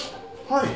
はい。